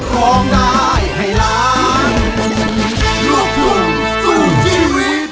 สวัสดี